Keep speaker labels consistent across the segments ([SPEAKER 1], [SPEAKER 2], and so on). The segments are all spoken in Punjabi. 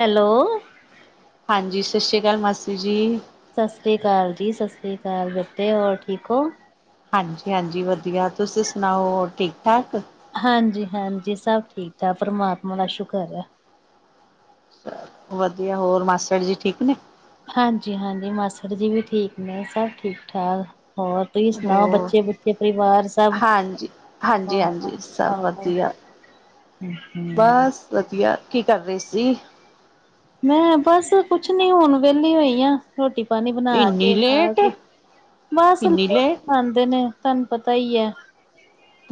[SPEAKER 1] ਹੈਲੋ
[SPEAKER 2] ਹਾਂਜੀ, ਸਸ ਸੀ਼੍ ਅਕਾਲ ਮਾਸੀ ਜੀ।
[SPEAKER 1] ਸਤ ਸੀ਼੍ ਅਕਾਲ ਜੀ, ਸਤ ਸੀ਼੍ ਅਕਾਲ ਬੇਟੇ ਹੋਰ ਠੀਕ ੳ?
[SPEAKER 2] ਹਾਂਜੀ, ਹਾਂਜੀ ਵਧੀਆ ਤੁਸੀ ਸੁਨਾਓ ਹੋਰ ਠੀਕ-ਠਾਕ।
[SPEAKER 1] ਹਾਂਜੀ-ਹਾਂਜੀ ਸਭ ਠੀਕ ਠਾਕ, ਪ੍ਰਮਾਤਮਾ ਦਾ ਸੁਕਰ ਆ।
[SPEAKER 2] ਵਧੀਆ ਹੋਰ ਮਾਸੜ ਜੀ ਠੀਕ ਨੇ?
[SPEAKER 1] ਹਾਂਜੀ-ਹਾਂਜੀ ਮਾਸੜ ਜੀ ਵੀ ਠੀਕ ਨੇ। ਸਭ ਠੀਕ-ਠਾਕ। ਹੋਰ ਤੁਸੀ ਸੁਨਾਓ
[SPEAKER 2] ਹੋਰ
[SPEAKER 1] ਬੱਚੇ -ਬੁੱਚੇ ਪਰਿਵਾਰ ਚ
[SPEAKER 2] ਹਾਂਜੀ, ਹਾਂਜੀ-ਹਾਂਜੀ ਸਭ ਵਧੀਆ। ਬਸ ਵਧੀਆ, ਕੀ ਕਰ ਰਏ ਸੀ?
[SPEAKER 1] ਮੈਂ ਬਸ ਕੁਛ ਨੀ ਹੁਨ ਵੇਲੀ ਹੋਈ ਆ ਰੋਟੀ ਪਾਨੀ ਬਨਾ
[SPEAKER 2] ਇੰਨੀ
[SPEAKER 1] ਕੇ
[SPEAKER 2] ਲੇਟ
[SPEAKER 1] ਖ ਬਸ
[SPEAKER 2] ਇੰਨੀ ਲੇਟ
[SPEAKER 1] ਆਂਦੇ ਨੇ ਤਾਨੂੰ ਪਤਾ ਈ ਐ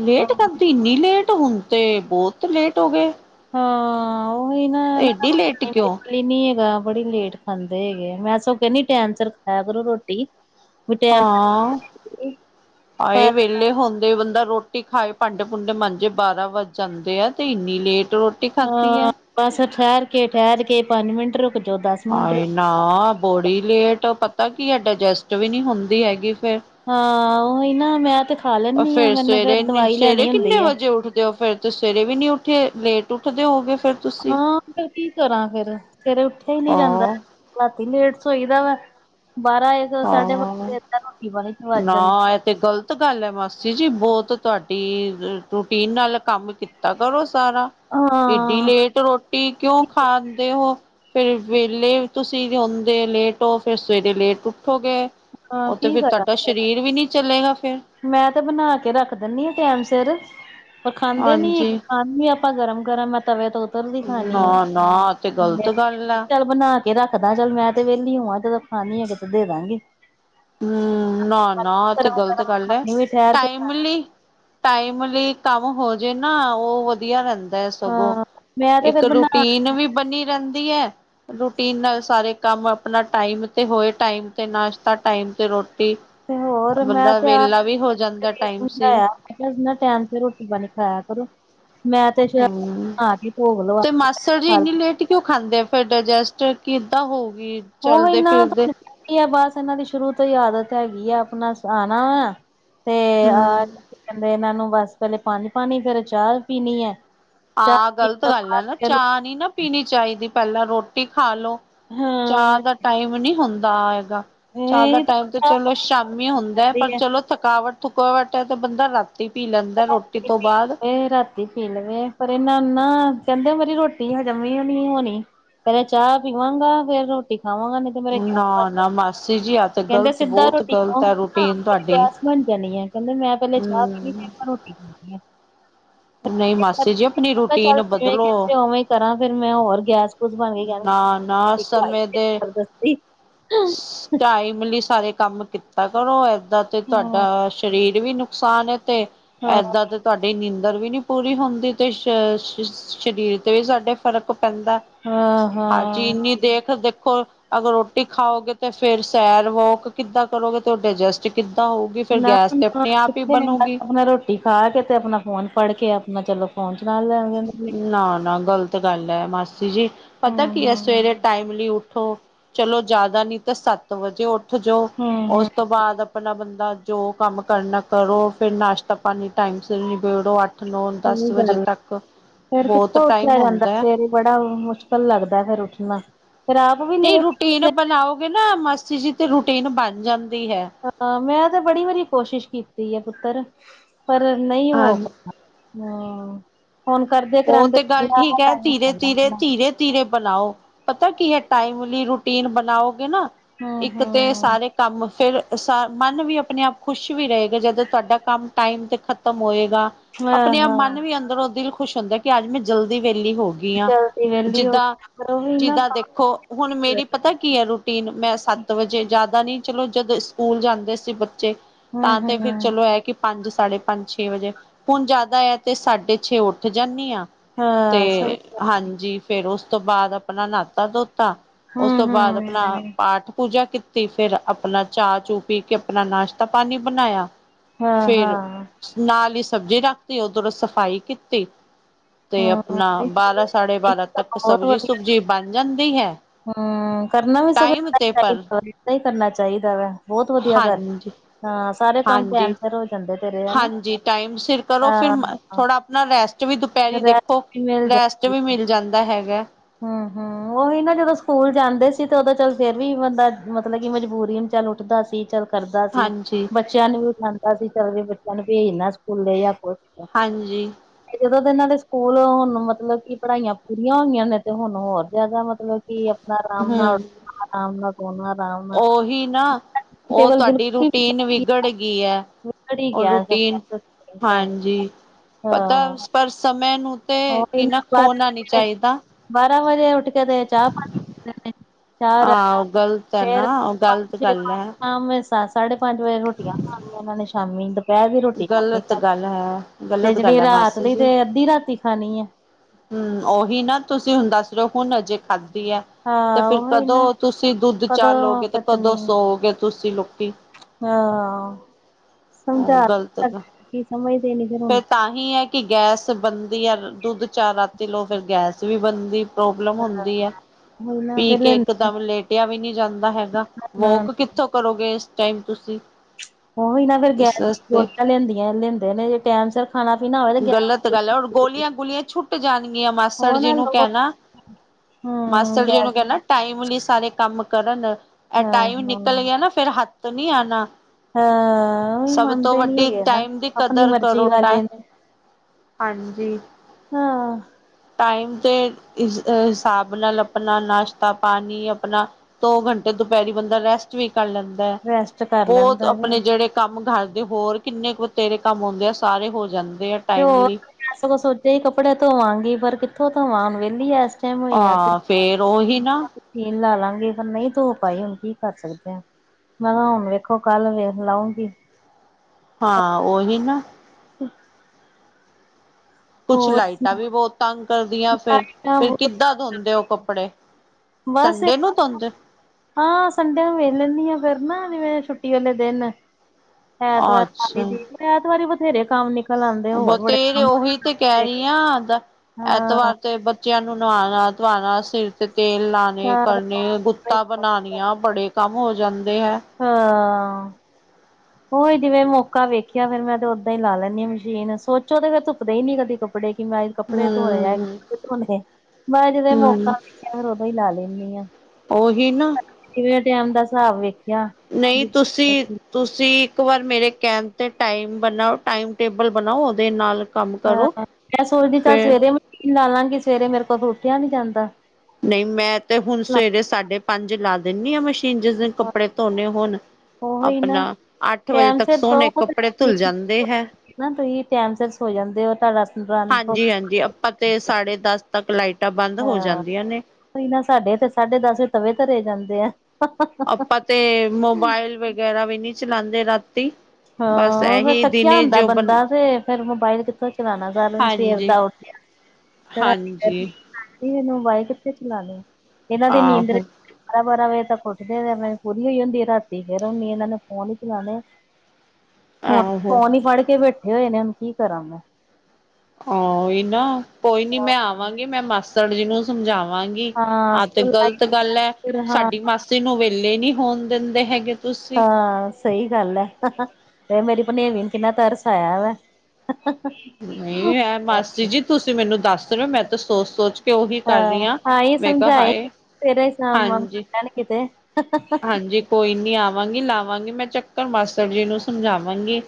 [SPEAKER 2] ਲੇਟ ਖਾਦੀ, ਏਨੀ ਲੇਟ, ਹੁਨ ਤੇ ਬੋਤ ਲੇਟ ਹੋ ਗਏ।
[SPEAKER 1] ਹਾਂ ੳਹੀ ਨਾ, ਏਨਾਂ ਦਾ
[SPEAKER 2] ਏਡੀ
[SPEAKER 1] ਕੋਈ
[SPEAKER 2] ਲੇਟ
[SPEAKER 1] ਟਾਇਮ
[SPEAKER 2] ਕਿਉਂ
[SPEAKER 1] ਟੇਬਲ ਨਈ ਨੀ ਹੈਗਾ ਬੜੀ ਲੇਟ ਖਾਂਦੇ ਹੈਗੇ ਆ ਮੈਂ ਸੋਗੋ ਕੇਂਦੀ ਟਾਈਮ ਸੇਰ ਖਾਏਆ ਕਰੋ ਰੋਟੀ ਵੀ ਟੈਮ
[SPEAKER 2] ਹਾਂ
[SPEAKER 1] ਪਰ
[SPEAKER 2] ਆਏ ਵੇਲੇ ਹੋਨ ਤੇ ਬੰਦਾ ਰੋਟੀ ਖਾਏ, ਭਾਂਡੇ ਭੂੰਡੇ ਮਾਂਜੇ ਬਾਰਾਂ ਵੱਜ ਜਾਂਦੇ ਆ ਤੇ ਏਨੀ ਲੇਟ ਰੋ
[SPEAKER 1] ਹਾਂ, ਬਸ ਠਹਿਰ ਕੇ- ਠਹਿਰ ਕੇ ਪੰਜ ਮਿੰਟ ਰੁਕ ਜੋ ਦਸ ਮਿੰਟ ਰੁ
[SPEAKER 2] ਹਾਏ ਨਾ ਬੋੜੀ ਲੇਟ, ਪਤਾ ਕੀ ਐ, ਡਾਇਜੈਸਟ ਵੀ ਨੀ ਹੁੰਦੀ ਹੈਗੀ ਫੇਰ
[SPEAKER 1] ਹਾਂ ਉਹੀ ਨਾ ਮੈਂ ਤ
[SPEAKER 2] ਅਹ ਫਿਰ ਸਵੇਰੇ ਨੀ, ਸਵੇਰੇ ਕਿੰਨੇ
[SPEAKER 1] ਹੁੰਦੀ ਹੈ
[SPEAKER 2] ਵਜੇ ਉੱਠਦੇ ਤੇ ਉਹ ਫੇਰ ਤੇ ਸਵੇਰੇ ਵੀ ਨੀ ਉੱਠੇ, ਲੇਟ ਉੱਠਦੇ ਹੋਗੇ ਫੇਰ ਤੁਸੀਂ
[SPEAKER 1] ਹਾਂ ਫਿਰ ਕੀ ਕਰਾਂ ਫੇਰ, ਸਵੇਰੇ ਉੱਠਿਆ ਹੀ ਨੀ ਜਾਂਦਾ
[SPEAKER 2] ਹਾਂ
[SPEAKER 1] ਰਾਤੀ ਲੇਟ ਸੋਈਦਾ ਵਾ ਬਾਰਾਂ ਏ
[SPEAKER 2] ਹਾਂ, ਨਾ
[SPEAKER 1] ਜਾਂਦਾ
[SPEAKER 2] ਐਹ ਤੇ ਗਲ ਬਹੁਤ ਗੱਲ ਹੈ ਮਾਸੀ ਜੀ ਬਹੁਤ ਤਾਡੀ, ਰੂਟੀਨ ਨਾਲ ਕੰਮ ਕੀਤਾ ਕਰੋ ਸਾਰਾ
[SPEAKER 1] ਆਂ ਹਾਂ
[SPEAKER 2] ਕਿਡੀ ਲੇਟ ਰੋਟੀ ਕਿਉਂ ਖਾਂਦੇ ਹੋ ਫੇਰ ਵਿਹਲੇ ਤੁਸੀਂ ਹੁੰਦੇ ਲੇਟ ਓ, ਫੇਰ ਸਵੇਰੇ ਲੇਟ ਉਠ ਉਠੋ ਗਏ, ਉਹ ਤੇ
[SPEAKER 1] ਕੀ
[SPEAKER 2] ਫੇਰ
[SPEAKER 1] ਕਰਾਂ
[SPEAKER 2] ਤੁਹਾਡਾ
[SPEAKER 1] ਫੇਰ
[SPEAKER 2] ਸਰੀਰ ਵੀ ਨਹੀਂ ਚਲੇਗਾ ਫਿਰ
[SPEAKER 1] ਮੈਂ ਤੇ ਬਣਾ ਕੇ ਰੱਖ ਦਿੰਦੀ ਆਂ ਟੈਮ ਸਿਰ, ਪਰ ਖਾਂਦੇ ਨੀ ਹੈਗੇ
[SPEAKER 2] ਹਾਂਜੀ
[SPEAKER 1] ਖਾਣ ਵੀ ਆਪਾਂ ਗਰਮ- ਗਰਮ ਤਵੇ ਤੋਂ ਉਤਰਦੀ ਖਾਣੀ ਐ,
[SPEAKER 2] ਨਾ ਨਾ ਆ ਤੇ ਗ਼ਲਤ
[SPEAKER 1] ਮੈਂ
[SPEAKER 2] ਗੱਲ ਆ
[SPEAKER 1] ਚੱਲ ਬਣਾ ਇਹ ਰੱਖਦਾ, ਚੱਲ ਮੈਂ ਤੇ ਵਿਹਲੀ ਹੋਵਾਂ ਜਦੋਂ ਖਾਂਨੀ, ਤੇ ਦੇ ਦਾਂਗੀ
[SPEAKER 2] ਹਮ, ਨਾ- ਨਾ ਐਹ ਤੇ
[SPEAKER 1] ਗਰਮ
[SPEAKER 2] ਗ਼ਲਤ
[SPEAKER 1] ਗਰਮ
[SPEAKER 2] ਗੱਲ ਹੈ,
[SPEAKER 1] ਖਾਣੀ ਵੀ ਠਹਿਰ ਕੇ
[SPEAKER 2] ਟਾਈਮ
[SPEAKER 1] ਖਾਣੀ।
[SPEAKER 2] ਮਿਲੀ, ਟਾਈਮ ਵੀ ਕੰਮ ਹੋ ਜੇ ਨਾ ਉਹ ਵਧੀਆ ਰਹਿੰ ਦਾ ਇਹ ਸਗੋਂ,
[SPEAKER 1] ਹਾਂ ਮੈਂ ਤੇ
[SPEAKER 2] ਇੱਕ
[SPEAKER 1] ਫੇਰ ਬਣਾ
[SPEAKER 2] ਰੂਟੀਨ ਵੀ ਬਣੀ ਰਹਿੰਦੀ ਹੈ ਰੂਟੀਨ ਨਾਲ ਸਾਰੇ ਕੰਮ ਆਪਨਾ ਟਾਈਮ ਤੇ ਹੋਏ ਟਾਈਮ ਤੇ ਨਾਸ਼ਤਾ ਟਾਈਮ ਤੇ ਰੋਟੀ,
[SPEAKER 1] ਤੇ ਹੋਰ ਮੈਂ
[SPEAKER 2] ਬੰਦਾ
[SPEAKER 1] ਤੇ
[SPEAKER 2] ਵਿਹਲਾ ਵੀ ਹੋ ਜਾਂਦਾ ਟਾਈਮ ਸਿਰ
[SPEAKER 1] ਆਖਿਆ ਸੀ ਨਾ ਟੈਮ ਸਿਰ ਰੋਟੀ ਪਾਣੀ ਖਾਇਆ ਕਰੋ ਮੈਂ ਤੇ ਸ਼ਾਇਦ
[SPEAKER 2] ਹਮ
[SPEAKER 1] ਬਣਾ ਕੇ ਭੋਗ ਲਵਾ
[SPEAKER 2] ਤੇ
[SPEAKER 1] ਕੇ
[SPEAKER 2] ਮਾਸੜ ਜੀ
[SPEAKER 1] ਫਲ
[SPEAKER 2] ਇੰਨੀ ਲੇਟ ਕਿਉਂ‌ ਖਾਂਦੇ ਫੇਰ ਡਾਇਜਸਟ ਕਿੱਦਾਂ ਹੋਉਗੀ ਚਲਦੇ ਫਿਰਦੇ
[SPEAKER 1] ਕੀ ਹੈ ਬਸ ਇਹਨਾਂ ਦੀ ਸ਼ੁਰੂ ਤੋਂ ਹੀ ਆਦਤ ਹੈਗੀ ਆ ਆਪਣਾ ਆਣਾ ਤੇ ਆਹ,
[SPEAKER 2] ਹਮ
[SPEAKER 1] ਕਹਿੰਦੇ ਇਹਨਾਂ ਨੂੰ ਬਸ ਪਹਿਲੇ ਪਾਣੀ- ਪਾਣੀ, ਫਿਰ ਚਾਹ ਪੀਣੀ ਹੈ ਚਾਹ
[SPEAKER 2] ਆਹ
[SPEAKER 1] ਪੀਣ
[SPEAKER 2] ਗਲਤ
[SPEAKER 1] ਤੋਂ
[SPEAKER 2] ਗੱਲ ਹੈ
[SPEAKER 1] ਬਾਅਦ
[SPEAKER 2] ਨਾ,
[SPEAKER 1] ਫਿਰ
[SPEAKER 2] ਚਾਹ ਨੀ ਨਾ ਪੀਣੀ ਚਾਹੀਦੀ ਪਹਿਲਾਂ ਰੋਟੀ ਖਾਲੋ ਚਾਹ
[SPEAKER 1] ਹਾਂ
[SPEAKER 2] ਦਾ ਟਾਈਮ ਨੀ ਹੁੰਦਾ ਹੈਗਾ ਚਾਹ ਦਾ
[SPEAKER 1] ਇਹ ਤਾਂ
[SPEAKER 2] ਟਾਈਮ ਤੇ
[SPEAKER 1] ਚਾਹ
[SPEAKER 2] ਚਲੋ ਸ਼ਾਮੀ ਹੁੰਦਾ ਹੈ, ਪਰ ਚਲੋ ਥਕਾਵਟ ਥਕੁਵਟ ਹੈ ਤੇ ਬੰਦਾ ਰਾ ਟੀ ਪੀ ਲੈਂਦਾ ਰੋਟੀ ਤੋਂ ਬਾਅਦ
[SPEAKER 1] ਟੀ ਪੀ ਲਵੇ, ਪਰ ਇਹਨਾਂ ਨਾ ਕਹਿੰਦੇ ਮੇਰੀ ਰੋਟੀ ਹਜਮ ਵੀ ਨੀ ਹੋਣੀ ਪਹਿਲਾਂ ਚਾਹ ਪਿਵਾਂਗਾ, ਫੇਰ ਰੋਟੀ ਖਾਵਾਂਗਾ ਨਹੀ ਤਾਂ ਕਮਰੇ
[SPEAKER 2] ਨਾ ਨਾ
[SPEAKER 1] 'ਚ
[SPEAKER 2] ਮਾਸੀ ਜੀ ਆ ਤੇ
[SPEAKER 1] ਕਹਿੰਦੇ
[SPEAKER 2] ਗ਼ਲਤ
[SPEAKER 1] ਸਿੱਧਾ
[SPEAKER 2] ਬਹੁਤ
[SPEAKER 1] ਰੋਟੀ ਖਾਓ
[SPEAKER 2] ਗ਼ਲਤ ਹੈ
[SPEAKER 1] ਨਾ
[SPEAKER 2] ਰੂਟੀਨ ਤੁਹਾਡੀ
[SPEAKER 1] ਪਿਆਸ ਬਣ ਜਾਣੀ ਆ, ਕਹਿੰਦੇ ਮੈਂ ਪਹਿਲੇ ਚਾਹ ਪੀਣੀ,
[SPEAKER 2] ਹਮ
[SPEAKER 1] ਫੇਰ ਮੈਂ ਰੋਟੀ ਖਾਂਨੀ ਹੈ
[SPEAKER 2] ਨਹੀਂ ਮਾਸੀ ਜੀ ਆਪਣੀ
[SPEAKER 1] [unintelligible]
[SPEAKER 2] ਰੂਟੀਨ
[SPEAKER 1] ਚੱਲ ਜਿਵੇਂ
[SPEAKER 2] ਬਦਲੋ
[SPEAKER 1] ਕਹਿੰਦੇ ਉਵੇਂ ਕਰਾਂ ਫਿਰ ਮੈਂ ਹੋਰ ਗੈਸ ਕੁਝ ਬਣ ਕੇ ਕਹਿਣ,
[SPEAKER 2] ਨਾ ਨਾ
[SPEAKER 1] ਕਰਾਈ
[SPEAKER 2] ਸਮੇਂ
[SPEAKER 1] ਕੋਈ
[SPEAKER 2] ਦੇ
[SPEAKER 1] ਜਬਰਦਸਤੀ
[SPEAKER 2] ਟਾਈਮਲੀ ਸਾਰੇ ਕੰਮ ਕੀਤਾ ਕਰੋ, ਐਦਾਂ ਤੇ ਤੁਹਾਡਾ ਸਰੀਰ ਵੀ ਨੁਕਸਾਨ ਏ ਤੇ,
[SPEAKER 1] ਹਾਂ,
[SPEAKER 2] ਐਦਾਂ ਦੇ ਤਾਡੀ ਨੀਂਦਰ ਵੀ ਨੀ ਪੂਰੀ ਹੁੰਦੀ ਤੇ ਸ਼ ਛ ਸਰੀਰ ਤੇ ਵੀ ਸਾਡੇ ਫਰਕ ਪੈਂਦਾ ਹਾਂ, ਚੀਨੀ ਦੇਖ ਦੇਖੋ। ਅਗਰ ਰੋਟੀ ਖਾਓਗੇ, ਤੇ ਫੇਰ ਸੈਰ ਵੋਕ ਕਿੱਦਾਂ ਕਰੋਗੇ ਤੇ ਉਹ ਡਾਇਜੈਸਟ ਕਿੱਦਾਂ ਹੋਊ ਫੇਰ
[SPEAKER 1] ਨਾ
[SPEAKER 2] ਗੈਸ ਤੇ
[SPEAKER 1] ਨਾ
[SPEAKER 2] ਆਪਣੇ ਆਪ ਹੀ
[SPEAKER 1] ਕਿੱਥੇ
[SPEAKER 2] ਬਣੂਗੀ।
[SPEAKER 1] ਆਪਣਾ ਰੋਟੀ ਖਾ ਕੇ ਤੇ ਆਪਣਾ ਫੋਨ ਫੜ ਕੇ ਆਪਣਾ ਚਲੋ ਫੋਨ ਚਲਾ ਲੈਣ।
[SPEAKER 2] ਨਾ -ਨਾ ਗਲਤ ਗੱਲ ਐ ਮਾਸੀ ਜੀ, ਪਤਾ ਕੀ ਐ ਸਵੇਰੇ
[SPEAKER 1] ਹੂੰ-ਹੂੰ।
[SPEAKER 2] ਟਾਈਮਲੀ ਉੱਠੋ, ਚਲੋ ਜ਼ਿਆਦਾ ਨਹੀ ਤਾਂ ਸੱਤ ਵਜੇ ਉੱਠ ਜੋ,
[SPEAKER 1] ਹੂੰ-ਹੂੰ
[SPEAKER 2] ਉਸ ਤੋਂ ਬਾਅਦ ਆਪਣਾ ਬੰਦਾ ਜੋ ਕੰਮ ਕਰਨਾ ਕਰੋ ਫੇਰ ਨਾਸ਼ਤਾ ਪਾਣੀ ਟਾਈਮ ਸਿਰ ਨਿਬੇੜੋ। ਓਠਨਾ ਏ ਦਸ
[SPEAKER 1] ਸਹੀ
[SPEAKER 2] ਵਜੇ
[SPEAKER 1] ਗੱਲ
[SPEAKER 2] ਤੱਕ।
[SPEAKER 1] ਫੇਰ
[SPEAKER 2] ਬਹੁਤ
[SPEAKER 1] ਕਿੱਥੋਂ
[SPEAKER 2] ਟਾਈਮ
[SPEAKER 1] ਉੱਠਿਆ ਜਾਂਦਾ
[SPEAKER 2] ਹੁੰਦਾ ਹੈ
[SPEAKER 1] ਸਵੇਰੇ ਬੜਾ ਮੁਸ਼ਕਿਲ ਲੱਗਦਾ ਫੇਰ ਉੱਠਣਾ, ਫੇਰ ਆਪ। ਵੀ
[SPEAKER 2] ਇਹ ਰੂਟੀਨ
[SPEAKER 1] ਲੇਟ
[SPEAKER 2] ਬਣਾਓਗੇ ਨਾ ਮਾਸੀ ਜੀ ਤੇ ਰੂਟੀਨ ਬਣ ਜਾਂਦੀ ਆ।
[SPEAKER 1] ਹਾ ਮੈਂ ਤਾਂ ਬੜੀ ਵਾਰੀ ਕੋਸ਼ਿਸ਼ ਕੀਤੀ ਆ ਪੁੱਤਰ, ਪਰ ਨਹੀਂ ਹੋ
[SPEAKER 2] ਹਾਂਜੀ
[SPEAKER 1] ਪਾ ਹੂੰ ਫੂਨ ਕਰਦੇ-
[SPEAKER 2] ਉਹ
[SPEAKER 1] ਕਰਾਦੇ [unintelligible] ਆ ਵਾਲਾ ਟਾਈਮ ਹੋ ਜਾਂਦਾ ਅਪਣਾ।
[SPEAKER 2] ਤੀਰੇ ਬਣਾਓ ਪਤਾ ਕੀ ਹੈ ਟਾਈਮਲੀ ਰੂਟੀਨ ਬਣਾਓਗੇ ਨਾ, ਇੱਕ ਤੇ
[SPEAKER 1] ਹਮ
[SPEAKER 2] ਸਾਰੇ ਕੰਮ ਫੇਰ ਸਾ ਮਨ ਵੀ ਆਪਣੇ ਆਪ ਖੁਸ਼ ਵੀ ਰਹੇਗਾ ਜਦੋਂ ਤੁਹਾਡਾ ਕੰਮ ਟਾਈਮ 'ਤੇ ਖਤਮ ਹੋਏਗਾ।
[SPEAKER 1] ਹਾਂ
[SPEAKER 2] ਆਪਣੇ ਆਪ
[SPEAKER 1] ਹਾਂ
[SPEAKER 2] ਮਨ ਵੀ ਅੰਦਰੋਂ ਦਿਲ ਖੁਸ਼ ਹੁੰਦਾ ਕਿ ਅੱਜ ਮੈਂ ਜਲਦੀ ਵਿਹਲੀ ਹੋ ਗ- ਗੀਆਂ
[SPEAKER 1] ਜਲਦੀ ਵਿਹਲੀ ਹੋ
[SPEAKER 2] ਜਿੱਦਾਂ-
[SPEAKER 1] ਪਰ ਉਹ ਵੀ ਨਾ
[SPEAKER 2] ਜਿੱਦਾਂ
[SPEAKER 1] ਕੰਮ
[SPEAKER 2] ਦੇਖੋ ਹੁਣ ਮੇਰੀ ਪਤਾ ਕੀ ਹੈ ਰੂਟੀਨ ਮੈਂ ਸੱਤ ਵਜੇ ਜਾਦਾ ਨਹੀਂ ਚਲੋ, ਜਦੋਂ ਸਕੂਲ ਜਾਂਦੇ ਸੀ। ਬੱਚੇ ਤਾਂ
[SPEAKER 1] ਹਮ
[SPEAKER 2] ਤੇ ਫੇਰ
[SPEAKER 1] ਹਮ
[SPEAKER 2] ਚਲੋ ਹੈ ਕਿ ਪੰਜ, ਸਾਢੇ ਪੰਜ, ਛੇ ਵਜੇ ਹੁਣ ਜ਼ਿਆਦਾ ਹੈ ਤੇ ਸਾਢੇ ਛੇ ਉੱਠ ਉਠ ਜਾਂਨੀ ਹਾਂ, ਤੇ
[SPEAKER 1] ਹਾਂ ਸਹੀ
[SPEAKER 2] ਹਾਂਜੀ ਫੇਰ ਉਸ ਤੋਂ ਬਾਅਦ ਆਪਣਾ ਨਾਤਾ- ਧੋਤਾ ਉਸ ਤੋਂ
[SPEAKER 1] ਹਮ
[SPEAKER 2] ਬਾਅਦ
[SPEAKER 1] ਹਮ
[SPEAKER 2] ਆਪਣਾ ਪਾਠ ਪੂਜਾ ਕੀਤੀ, ਫੇਰ ਆਪਣਾ ਚਾਹ ਚੂ ਪੀ ਕੇ ਆਪਣਾ ਨਾਸ਼ਤਾ ਪਾਣੀ ਬਣਾਇਆ।
[SPEAKER 1] ਹਾਂ
[SPEAKER 2] ਫੇਰ
[SPEAKER 1] ਹਾਂ
[SPEAKER 2] ਨਾਲ ਹੀ ਸਬਜ਼ੀ ਰੱਖਤੀ ਉਧਰੋਂ ਸਫ਼ਾਈ ਕੀਤੀ।
[SPEAKER 1] ਹਾਂ
[SPEAKER 2] ਤੇ ਆਪਣਾ ਬਾਰਾਂ- ਸਾਢੇ ਬਾਰਾਂ ਤੱਕ
[SPEAKER 1] ਬਹੁਤ
[SPEAKER 2] ਸਬਜ਼ੀ-
[SPEAKER 1] ਵਧੀਆ
[SPEAKER 2] ਸੁਬਜੀ ਬਣ ਜਾਂਦੀ ਹੈ। ਟਾਈਮ ਤੇ ਪਰ
[SPEAKER 1] ਏ ਹੀ ਕਰਨਾ ਚਾਹੀਦਾ ਵਾ ਬੋਤ ਵਧੀਆ ਕਰ,
[SPEAKER 2] ਹਾਂਜੀ
[SPEAKER 1] ਹਾਂ ਸਾਰੇ ਕੰਮ
[SPEAKER 2] ਹਾਂਜੀ
[SPEAKER 1] ਟੈਂਮਸਿਰ ਹੋ ਜਾਂਦੇ ਤੇਰੇ ਹਨਾ
[SPEAKER 2] ਹਾਂਜੀ, ਟਾਈਮ ਸਿਰ ਕਰੋ ਫੇਰ
[SPEAKER 1] ਹਾਂ
[SPEAKER 2] ਥੋੜਾ ਪਨਾ ਰੈਸਟ ਵੀ ਦੁਪਹਿਰੀ
[SPEAKER 1] ਰੈਸਟ
[SPEAKER 2] ਦੇਖੋ,
[SPEAKER 1] ਵੀ ਮਿਲ
[SPEAKER 2] ਰੈਸਟ ਵੀ
[SPEAKER 1] ਜਾਂਦੀ
[SPEAKER 2] ਮਿਲ ਜਾਂਦਾ ਹੈਗਾ।
[SPEAKER 1] ਹੂੰ-ਹੂੰ ਉਹੀ ਨਾ ਜਦੋਂ ਸਕੂਲ ਜਾਂਦੇ ਸੀ ਤੇ ਉਦੋਂ ਚੱਲ ਫੇਰ ਵੀ ਬੰਦਾ ਮਤਲਬ ਕਿ ਮਜਬੂਰੀ ਨੂੰ ਚੱਲ ਉੱਠਦਾ ਸੀ ਚੱਲ ਕਰਦਾ ਸੀ
[SPEAKER 2] ਹਾਂਜੀ
[SPEAKER 1] ਬੱਚਿਆਂ ਨੂੰ ਵੀ ਉਠਾਉਂਦਾ ਸੀ ਚੱਲ ਵੀ ਬੱਚਿਆਂ ਨੂੰ ਭੇਜਣਾ ਸਕੂਲੇ ਜਾਂ ਕੁਛ
[SPEAKER 2] ਹਾਂਜੀ।
[SPEAKER 1] ਏ ਜਦੋਂ ਦੇ ਨਾਲੇ ਸਕੂਲ ਹੁਣ ਮਤਲਬ ਕਿ ਪੜਾਈਆਂ ਪੂਰੀਆਂ ਹੋਈਆਂ ਨੇ। ਤੇ ਹੁਣ ਹੋਰ ਜਿਆਦਾ ਮਤਲਬ ਕਿ ਆਪਣਾ ਆਰਾਮ ਨਾਲ
[SPEAKER 2] ਹਮ
[SPEAKER 1] ਆਰਾਮ ਨਾਲ ਸੋਣਾ ਆਰਾਮ ਨਾਲ
[SPEAKER 2] ਉਹੀ ਨਾ ਉਹ
[SPEAKER 1] ਟੇਬਲ
[SPEAKER 2] ਤੁਹਾਡੀ
[SPEAKER 1] ਬਿਲਕੁਲ
[SPEAKER 2] ਰੂਟੀਨ
[SPEAKER 1] ਹੀ
[SPEAKER 2] ਵਿਗੜ ਗਈ ਐ।
[SPEAKER 1] ਵਿਗੜ ਹੀ
[SPEAKER 2] ਉਹ
[SPEAKER 1] ਗਿਆ
[SPEAKER 2] ਰੂਟੀਨ,
[SPEAKER 1] ਟਾਈਮ
[SPEAKER 2] ਹਾਂਜੀ। ਪਤਾ
[SPEAKER 1] ਹਾਂ।
[SPEAKER 2] ਪਰ ਸਮੇਂ ਨੂੰ ਤੇ
[SPEAKER 1] ਉਹੀ
[SPEAKER 2] ਕੀ ਨਾ
[SPEAKER 1] ਬਾਰਾਂ
[SPEAKER 2] ਖੋਣਾ ਨੀ
[SPEAKER 1] ਵਜੇ
[SPEAKER 2] ਚਾਹੀਦਾ।
[SPEAKER 1] ਬਾਰਾਂ ਵਜੇ ਉਠ ਕੇ ਤੇ ਚਾਹ ਪਾਣੀ ਪੀਂਦੇ ਨੇ ਕੇ
[SPEAKER 2] ਆਹ ਗ਼ਲਤ ਹੈ
[SPEAKER 1] ਫੇਰ
[SPEAKER 2] ਨਾ ਉਹ ਗ਼ਲਤ
[SPEAKER 1] ਪੰਜ ਛੇ [unintelligible]
[SPEAKER 2] ਗੱਲ ਹੈ
[SPEAKER 1] ਤਾਂ ਸਾਢੇ ਪੰਜ ਵਜੇ ਰੋਟੀਆਂ ਖਾਣਦਿਆਂ ਇਹਨਾਂ ਨੇ ਸ਼ਾਮੀਂ ਦੁਪਹਿਰ ਦੀ ਰੋਟੀ ਖ ਖਾਨੀ,
[SPEAKER 2] ਗ਼ਲਤ ਗੱਲ ਹੈ
[SPEAKER 1] ਤੇ
[SPEAKER 2] ਗ਼ਲਤ ਗੱਲ
[SPEAKER 1] ਜਿਹੜੀ
[SPEAKER 2] ਹੈ
[SPEAKER 1] ਰਾਤ
[SPEAKER 2] ਮਾਸੀ
[SPEAKER 1] ਦੀ ਤੇ ਅੱਧੀ ਰਾਤੀ ਖਾਣੀ ਏ।
[SPEAKER 2] ਹੂੰ ਉਹੀ ਨਾ ਤੁਸੀਂ ਹੁਣ ਦੱਸ ਰਹੇ ਹੋ ਹੁਣ ਅਜੇ ਖਾਦੀ ਆਂ। ਤੇ
[SPEAKER 1] ਹਾਂ
[SPEAKER 2] ਫੇਰ
[SPEAKER 1] ਉਹੀ
[SPEAKER 2] ਕਦੋਂ
[SPEAKER 1] ਨਾ
[SPEAKER 2] ਤੁਸੀਂ ਦੁੱਧ ਚਾਹ
[SPEAKER 1] ਕਦੋਂ
[SPEAKER 2] ਲਉਗੇ ਤੇ ਕਦੋਂ
[SPEAKER 1] ਪਚਣੀ
[SPEAKER 2] ਸੋਓਗੇ ਤੁਸੀਂ ਲੋਕੀ।
[SPEAKER 1] ਹਾਂ,
[SPEAKER 2] ਉਹ
[SPEAKER 1] ਸਮਝਾ ਕੀ [unintelligible] ਸਮਝਦੇ ਨੀ ਫੇਰ ਹੁਣ
[SPEAKER 2] ਤਾਂਹੀ ਆਂ ਕਿ ਗੈਸ ਬਣਦੀ ਆ ਦੁੱਧ ਚਾਹ ਰਾਤੀ ਲਓ ਫੇਰ ਗੈਸ ਵੀ ਬਣ ਦੀ ਪ੍ਰੋਬਲਮ ਹੁੰਦੀ ਆਂ।
[SPEAKER 1] ਉਹੀ ਨਾ
[SPEAKER 2] ਪੀ
[SPEAKER 1] ਫਿਰ
[SPEAKER 2] ਕੇ
[SPEAKER 1] ਲੈਂਦੇ
[SPEAKER 2] ਇਕਦਮ ਲੇਟਿਆ ਵੀ ਨਹੀਂ ਜਾਂਦਾ ਹੈਗਾ। ਵੋਕ ਕਿੱਥੋਂ ਕਰੋਗੇ ਇਸ ਟਾਈਮ ਤੁਸੀਂ।
[SPEAKER 1] ਉਹੀ ਨਾ ਫੇਰ
[SPEAKER 2] ਇਸ
[SPEAKER 1] ਗੈਸ ਦੀਆਂ
[SPEAKER 2] ਵਾਸਤੇ
[SPEAKER 1] ਗੋਲੀਆਂ ਲੈਂਦੀਆਂ ਲੈਂਦੇ ਨੇ ਜੇ ਟਾਈਮ ਸਿਰ ਖਾਣਾ- ਪੀਣਾ ਹੋ
[SPEAKER 2] ਗਲਤ ਗੱਲ ਹੈ ਔਰ ਗੋਲੀਆਂ -ਗੋਲੀਆਂ ਛੂਟ ਜਾਣਗੀਆਂ, ਮਾਸੜ
[SPEAKER 1] ਹੋ
[SPEAKER 2] ਜੀ
[SPEAKER 1] ਨਾ
[SPEAKER 2] ਨੂੰ
[SPEAKER 1] ਲੋ
[SPEAKER 2] ਕਹਿਣਾ
[SPEAKER 1] ਹਮ
[SPEAKER 2] ਮਾਸਰ ਜੀ ਨੂੰ
[SPEAKER 1] ਗੈਸ
[SPEAKER 2] ਕਹਿਣਾ ਟਾਈਮਲੀ ਸਾਰੇ ਕੰਮ ਕਰਨ ਇਹ
[SPEAKER 1] ਹਾਂ
[SPEAKER 2] ਟਾਈਮ
[SPEAKER 1] ਹਾਂ
[SPEAKER 2] ਨਿਕਲ ਗਿਆ ਨਾ ਫੇਰ ਹੱਥ ਨੀ ਆਣਾ।
[SPEAKER 1] ਹਾਂ ਉਹੀ
[SPEAKER 2] ਸਭ ਤੋਂ
[SPEAKER 1] ਮੰਨਦੇ ਨੀ
[SPEAKER 2] ਵੱਡੀ
[SPEAKER 1] ਹੈਗੇ ਨਾ
[SPEAKER 2] ਟਾਈਮ ਦੀ
[SPEAKER 1] ਆਪਣੀ
[SPEAKER 2] ਕਦਰ
[SPEAKER 1] ਮਰਜ਼ੀ
[SPEAKER 2] ਕਰੋ ਟਾਈਮ
[SPEAKER 1] ਵਾਲੇ ਨੇ
[SPEAKER 2] ਹਾਂਜੀ।
[SPEAKER 1] ਹਾਂ।
[SPEAKER 2] ਟਾਈਮ ਤੇ, ਹਿਸਾਬ ਨਾਲ ਆਪਣਾ ਨਾਸ਼ਤਾ ਪਾਣੀ ਆਪਣਾ ਦੋ ਘੰਟੇ ਦੁਪਹਿਰੀ ਬੰਦਾ ਰੈਸਟ ਵੀ ਕਰ ਲੈਂਦਾ,
[SPEAKER 1] ਰੈਸਟ ਕਰ
[SPEAKER 2] ਬਹੁਤ
[SPEAKER 1] ਲੈਂਦਾ ਜੇ
[SPEAKER 2] ਆਪਣੇ ਜਿਹੜੇ ਕੰਮ ਘਰ ਦੇ ਹੋਰ ਕਿੰਨੇ ਕੁ ਬਥੇਰੇ ਕੰਮ ਆਉਂਦੇ ਆ ਸਾਰੇ ਹੋ ਜਾਂਦੇ ਆ।
[SPEAKER 1] ਤੇ ਹੋਰ,
[SPEAKER 2] ਟਾਈਮਲੀ
[SPEAKER 1] ਸਗੋਂ ਸੋਚਿਆ ਹੀ ਕੱਪੜੇ ਧੋਵਾਂਗੀ ਪਰ ਕਿੱਥੋਂ ਧੋਵਾਂ ਹੁਣ ਵਿਹਲੀ ਐ ਸ ਟੈਮ ਹੋਈ ਆ ਤੇ
[SPEAKER 2] ਹਾਂ ਫੇਰ ਉਹੀ ਨਾ
[SPEAKER 1] ਮਸੀ਼ਨ ਲਾ ਲਾਂਗੇ ਫਿਰ ਨਹੀਂ ਧੋ ਪਾਈ ਹੁਣ ਕੀ ਕਰ ਸਕਦੇ ਆ। ਮੈਂ ਕਿਹਾ ਹੁਣ ਵੇਖੋ ਕੱਲ ਵੇਖ ਲਾਉਗੀ।
[SPEAKER 2] ਹਾਂ ਉਹੀ ਨਾ।
[SPEAKER 1] [unintelligible]
[SPEAKER 2] ਕੁਛ
[SPEAKER 1] ਹੋਰ
[SPEAKER 2] ਲਾਈਟਾਂ ਵੀ ਬਹੁਤ ਤੰਗ ਕਰਦੀਆਂ ਫਿਰ,
[SPEAKER 1] ਲਾਈਟਾਂ
[SPEAKER 2] ਫਿਰ
[SPEAKER 1] ਬਹੁਤ
[SPEAKER 2] ਕਿੱਦਾਂ
[SPEAKER 1] ਤੰਗ
[SPEAKER 2] ਧੋਂਦੇ ਓ
[SPEAKER 1] ਕਰਦੀਆਂ
[SPEAKER 2] ਕੱਪੜੇ?
[SPEAKER 1] ਬਸ
[SPEAKER 2] ਸੰਡੇ ਨੂੰ ਧੌਂਦੇ?
[SPEAKER 1] ਹਾਂ ਸੰਡੇ ਨੂੰ ਵੇਖ ਲੈਂਨੀ ਆ ਫੇਰ ਨਾ ਜਿਵੇਂ ਛੁੱਟੀ ਵਾਲੇ ਦਿਨ ਐਤਵਾਰੀ
[SPEAKER 2] ਅੱਛਾ
[SPEAKER 1] ਦੀ [unintelligible] ਐਤਵਾਰੀ ਬਥੇਰੇ ਕੰਮ ਨਿਕ
[SPEAKER 2] ਬਥੇਰੇ ਉਹੀ ਤੇ ਕਹਿ ਰਹੀ ਆ ਦ
[SPEAKER 1] ਹਾਂ
[SPEAKER 2] ਐਤਵਾਰ ਤੇ ਬੱਚਿਆਂ ਨੂੰ ਨਵਾਣਾ, ਧਵਾਣਾ ਸਿਰ ਤੇ ਤੇਲ ਲਾਣੇ ਕਰਨੇ ਗੁ
[SPEAKER 1] ਸਾਰੇ
[SPEAKER 2] ਗੁੱਤਾਂ ਬਣਾਨੀਆਂ ਬੜੇ ਕੰਮ ਹੋ ਜਾਂਦੇ ਹੈ।
[SPEAKER 1] ਹਾਂ ਹੋਰ ਜਿਵੇਂ ਮੌਕਾ ਵੇਖਿਆ ਫੇਰ ਮੈਂ ਤੇ ਓਦਾਂ ਹੀ ਲਾ ਲੈਂਨੀ ਆ ਮਸ਼ੀਨ ਸੋਚੋ ਤੇ ਫੇਰ ਧੁਪਦੇ ਹੈ ਨੀ ਕਦੀ ਕੱਪ ਕੱਪੜੇ ਕਿਵੇਂ ਕੱਪੜੇ ਧੋਏ ਆ,
[SPEAKER 2] ਹਮ
[SPEAKER 1] ਕੱਪੜੇ ਧੋਣੇ ਮੈਂ ਜਦੋਂ ਮੌਕਾ
[SPEAKER 2] ਹਮ
[SPEAKER 1] ਹੋਵੇ ਫਿਰ ਉਦੋਂ ਹੀ ਲਾ ਲੈਂਨੀ ਆ।
[SPEAKER 2] ਉਹੀ ਨਾ।
[SPEAKER 1] ਕਿਵੇਂ ਟੈਮ ਦਾ ਹਿਸਾਬ ਵੇਖਿਆ।
[SPEAKER 2] ਨਹੀਂ ਤੁਸੀਂ- ਤੁਸੀਂ ਇੱਕ ਵਾਰ ਮੇਰੇ ਕਹਿਣ 'ਤੇ ਟਾਈਮ ਬਣਾਓ ਟਾਈਮ ਟੇਬਲ ਬਣਾਓ ਉਹਦੇ ਨਾਲ ਕੰਮ
[SPEAKER 1] ਹਾਂ
[SPEAKER 2] ਕਰੋ
[SPEAKER 1] ਮੈਂ ਸੋਚਦੀ ਚੱਲ
[SPEAKER 2] ਫਿਰ
[SPEAKER 1] ਸਵੇਰੇ ਮਸ਼ੀਨ ਲਾਲਾਂਗੀ ਸਵੇਰੇ ਮੇਰੇ ਕੋਲ ਉੱਠਿਆ ਨੀ ਜਾਂਦਾ।
[SPEAKER 2] ਨਹੀਂ ਮੈਂ ਤੇ ਹੁਣ
[SPEAKER 1] ਹਾਂ,
[SPEAKER 2] ਸਵੇਰੇ ਸਾਢੇ ਪੰਜ ਲਾ ਦਿੰਨੀ ਆ ਮਸ਼ੀਨ ਜਿਸ ਦਿਨ ਕੱਪੜੇ ਧੋਣੇ ਹੋਣ।
[SPEAKER 1] ਉਹੀ ਨਾ
[SPEAKER 2] ਆਪਣਾ, ਅੱਠ ਵਜੇ
[SPEAKER 1] ਟਾਈਮ
[SPEAKER 2] ਤੱਕ ਸੋਹਣੇ ਕੱਪੜੇ ਧੁਲ ਜਾਂਦੇ ਹੈ।
[SPEAKER 1] ਇੱਕ ਨਾ ਤੁਸੀਂ ਟੈਮ ਸਿਰ ਸੌਂ ਜਾਂਦੇ ਹੋ ਤੁਹਾਡਾ ਰਨ ਹੋ
[SPEAKER 2] ਹਾਂਜੀ-ਹਾਂਜੀ ਆਪਾਂ ਤੇ
[SPEAKER 1] ਜਾਂਦਾ।
[SPEAKER 2] ਸਾਢੇ ਦਸ ਤੱਕ ਲਾਈਟਾਂ ਬੰਦ ਹੋ ਜਾਂਦੀਆਂ ਨੇ।
[SPEAKER 1] ਉਹੀ ਨਾ ਸਾਡੇ ਤੇ ਸਾਢੇ ਦਸ ਤਵੇ ਧਰੇ ਜਾਂਦੇ ਆ।
[SPEAKER 2] ਆਪਾਂ ਤੇ ਮੋਬਾਇਲ ਵਗੈਰਾ ਵੀ ਨ੍ਹੀਂ ਚਲਾਦੇ ਰਾਤੀਂ।
[SPEAKER 1] ਹਾਂ ਫੇਰ ਥੱਕਿਆ ਹੁੰਦਾ ਬੰਦਾ ਤੇ ਫੇਰ ਮੋਬਾਇਲ ਕਿੱਥੋਂ ਚਲਾਉਣਾ ਸਾਰਿਆਂ ਨੂੰ ਸਵੇਰ
[SPEAKER 2] ਹਾਂਜੀ।
[SPEAKER 1] ਦਾ ਉੱਠ [unintelligible]
[SPEAKER 2] ਹਾਂਜੀ।
[SPEAKER 1] ਨਹੀਂ ਮੈਨੂੰ ਮੋਬਾਈਲ ਕਿੱਥੇ ਚਲਾਣੀ, ਇਹਨਾਂ ਦੀ ਨੀਂਦਰ
[SPEAKER 2] ਆਹੋ,
[SPEAKER 1] ਬਾਰਾਂ-ਬਾਰਾਂ ਵਜੇ ਤਾਂ ਉੱਠਦੇ ਆ ਪੂਰੀ ਹੋਈ ਹੁੰਦੀ ਆ ਰਾਤੀ ਫੇਰਨੀ ਇਹਨਾਂ ਨੇ ਫੋਨ ਹੀ ਚਲਾਉਣੇ। ਫ
[SPEAKER 2] ਆਹੋ।
[SPEAKER 1] ਫੋਨ ਹੀ ਫੜ ਕੇ ਬੈਠੇ ਹੋਏ ਨੇ ਹੁਣ ਕੀ ਕਰਾਂ ਮੈਂ।
[SPEAKER 2] ਉਹੀ ਨਾ, ਕੋਈ ਨੀ ਮੈਂ ਆਵਾਂਗੀ ਮੈਂ ਮਸ ਮਾਸੜ ਜੀ ਨੂੰ ਸਮਝਾਵਾਂਗੀ
[SPEAKER 1] ਹਾਂ
[SPEAKER 2] ਆਹ ਤੇ ਗ਼ਲਤ ਗੱਲ ਐ
[SPEAKER 1] ਹਾਂ
[SPEAKER 2] ਸਾਡੀ ਮਾਸੀ ਮਾਸੀ ਨੂੰ ਵਿਹਲੇ ਨੀ ਹੋਣ ਦਿੰਦੇ ਹੈਗੇ। ਤੁਸੀਂ।
[SPEAKER 1] ਹਾਂ ਸਹੀ ਗੱਲ ਐ, ਇਹ ਮੇਰੀ ਭਨੇਵੀ ਨੂੰ ਕਿੰਨਾ ਤਰਸ ਆਇਆ ਵਾ।
[SPEAKER 2] ਨਹੀਂ ਹੈਂ ਮਾਸੀ ਜੀ ਤੁਸੀਂ ਮੈਨੂੰ ਦੱਸ ਰਹੇ ਹੋ ਮੈਂ ਤਾਂ ਸੋਚ- ਸੋਚ ਕਿ ਉਹੀ ਕਰ ਰਹੀ
[SPEAKER 1] ਹਾਂ,
[SPEAKER 2] ਆ,
[SPEAKER 1] ਹਾਂ ਇਹ
[SPEAKER 2] ਮੈਂ ਕਿਹਾ ਹਾਏ, ਹਾਂਜੀ।
[SPEAKER 1] ਕੈਨ ਕਿਤੇ
[SPEAKER 2] ਹਾਂਜੀ ਕੋਈ ਨੀ ਆਵਾਂਗੀ ਲਾਵਾਂਗੀ ਮੈਂ ਚੱਕਰ ਮਾਸੜ ਜੀ ਨੂੰ ਸਮਝਾਵਾਂਗੀ।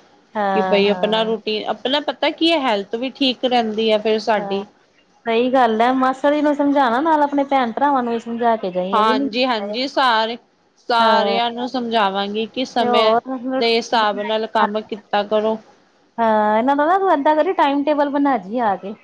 [SPEAKER 2] ਕੇ
[SPEAKER 1] ਹਾਂ,
[SPEAKER 2] ਬਾਈ ਆਪਨਾ
[SPEAKER 1] ਹਾਂ,
[SPEAKER 2] ਰੂਟੀਨ ਆਪਨਾ ਪਤਾ ਕੀ ਐ ਹੈਲਥ ਵੀ ਠੀਕ ਰੈਂਦੀ ਐ ਫੇਰ ਸਾਡੀ।
[SPEAKER 1] ਸਈ ਗੱਲ ਐ ਮਾਸੜ ਜੀ ਨੂੰ ਸਮਝਾਨਾ ਨਾਲ ਆਪਨੇ ਭੈਨ ਭਰਾਵਾਂ ਨੂੰ ਸਮਜਾ ਕੇ ਜਾਈ। ਇਹ ਵੀ ਨੀ
[SPEAKER 2] ਹਾਂਜੀ-ਹਾਂਜੀ ਸਾਰੇ,
[SPEAKER 1] ਹਾਂ,
[SPEAKER 2] ਸਾਰੇਆਂ ਨੂੰ ਸਮਝਾਵਾਂਗੀ। ਕੀ
[SPEAKER 1] ਤੇ
[SPEAKER 2] ਸਮੇਂ
[SPEAKER 1] ਹੋਰ
[SPEAKER 2] ਦੇ
[SPEAKER 1] ਰੋਟੀ
[SPEAKER 2] ਹਿਸਾਬ ਨਾਲ
[SPEAKER 1] ਬਣਾਈ।
[SPEAKER 2] ਕੰਮ ਕੀਤਾ ਕਰੋ।
[SPEAKER 1] ਹਾਂ ਏਨਾਂ ਦਾ ਨਾ ਤੂੰ ਏਦਾਂ ਕਰੀ ਟਾਈਮ ਟੇਬਲ ਬਨਾ ਜੀ ਆ ਕੇ।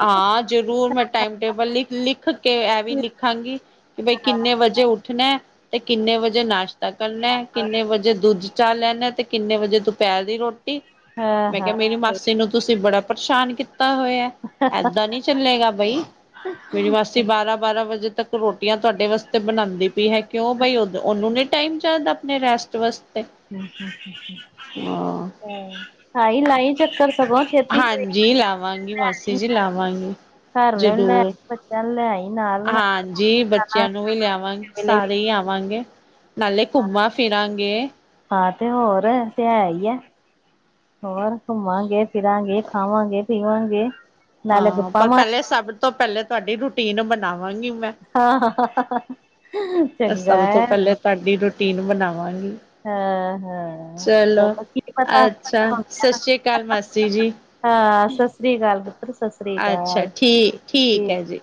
[SPEAKER 2] ਹਾਂ ਜ਼ਰੂਰ ਮੈਂ ਟਾਈਮ ਟੇਬਲ ਲਿਖ-ਲਿਖ ਕੇ ਐ ਵੀ ਲਿਖਾਂਗੀ ਕੇ ਬਈ ਕਿੰਨੇ ਵਜੇ ਉੱਠਨਾ, ਤੇ ਕਿੰਨੇ ਵਜੇ ਨਾਸ਼ ਤਾ ਕਰਨਾ ਕਿੰਨੇ ਵਜੇ ਦੁੱਧ ਚਾ ਲੈਨਾ ਤੇ ਕਿੰਨੇ ਵਜੇ ਦੁਪੈਰ ਦੀ ਰੋ ਟੀ
[SPEAKER 1] ਹਾਂ,
[SPEAKER 2] ਮੈਂ
[SPEAKER 1] ਹਾਂ।
[SPEAKER 2] ਕਿਆ ਮੇਰੀ
[SPEAKER 1] ਸਹੀ
[SPEAKER 2] ਮਾਸੀ ਨੂੰ ਤੁਸੀਂ ਬੜਾ ਪਰੇਸ਼ਾਨ ਕੀਤਾ ਹੋਏਆ, ਐਦਾਂ ਨੀ ਚੱਲੇਗਾ ਬਈ, ਮੇਰੀ ਮਾਸੀ ਬਾਰਾਂ-ਬਾਰਾਂ ਵਜੇ ਤੱਕ ਰੋਟੀਆਂ ਤੁਆਡੇ ਵਾਸਤੇ ਬਨਾਂਦੀ ਵੀ ਹੈ ਕਿਉਂ ਬਾਈ ਉਦੋਂ ਓਨੂੰ ਨੀ ਟਾਈਮ ਚਾਈਦਾ ਆਪਨੇ ਰੈਸਟ ਵਸ
[SPEAKER 1] ਹੂੰ, ਆਈਂ ਲਾਈਂ ਚੱਕਰ ਸਗੋਂ ਛੇਤੀ ਹੋਈ,
[SPEAKER 2] ਹਾਂਜੀ ਲਾਵਾਂਗੀ, ਮਾਸੀ ਜੀ ਲਾਵਾਂਗੀ।
[SPEAKER 1] ਘਰ ਵਾਲਿਆਂ ਨੂੰ ਲੈ ਆਈ,
[SPEAKER 2] ਜਰੂਰ,
[SPEAKER 1] ਬੱਚਿਆਂ ਨੂੰ ਲੈ ਆਈ ਨਾਲ
[SPEAKER 2] ਹਾਂਜੀ
[SPEAKER 1] ਜਾਣਾ
[SPEAKER 2] ਬੱਚੇਆਂ ਨੂੰ ਵੀ ਲਿਆਵਾਂਗੀ
[SPEAKER 1] ਮਿਲੇ ਵੀ
[SPEAKER 2] ਸਾਰੇ
[SPEAKER 1] ਨੀ।
[SPEAKER 2] ਈ ਆਵਾਂ ਵਾਂਗੇ, ਨਾਲੇ ਘੁੰਮਾਂ ਫਿਰਾਂਗੇ।
[SPEAKER 1] ਹਾਂ ਤੇ ਹੋਰ ਤੇ ਹੈਈ ਐ। ਹੋਰ ਘੁੰਮਾਂਗੇ, ਫਿਰਾਂਗੇ, ਖਾਵਾਂਗੇ, ਪੀਵਾਂਗੇ। ਨਾਲੇ
[SPEAKER 2] ਹਾਂ
[SPEAKER 1] ਗੱਪਾਂ
[SPEAKER 2] ਪਰ
[SPEAKER 1] ਮਾਰ
[SPEAKER 2] ਪੈਲੇ ਸਬ ਤੋਂ ਪੈਲੇ ਤੁਆਡੀ ਰੂਟੀਨ ਬਨਾਵਾਂਗੀ ਮੈਂ।
[SPEAKER 1] ਹਾਂ-ਹਾਂ
[SPEAKER 2] ਅਸੀਂ ਸਬ ਤੋਂ ਪੈਲੇ ਤੁਆਡੀ ਰੂਟੀਨ ਬਨਾਵਾਂਗੀ।
[SPEAKER 1] ਹਾਂ ਹਾਂ
[SPEAKER 2] ਚਲੋ,
[SPEAKER 1] ਕੀ ਪਤਾ
[SPEAKER 2] ਅੱਛਾ ਸਸਰੀ ਕਾਲ ਮਾਸੀ ਜੀ।
[SPEAKER 1] ਹਾਂ ਸਤਿ ਸ੍ਰੀ ਅਕਾਲ ਪੁੱਤਰ ਸਤਿ ਸ੍ਰੀ
[SPEAKER 2] ਅੱਛਾ
[SPEAKER 1] ਅਕਾਲ ਠੀਕ
[SPEAKER 2] ਠੀਕ-ਠੀਕ ਐ ਜੀ।